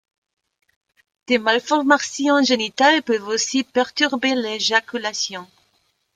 Des malformations génitales peuvent aussi perturber l'éjaculation.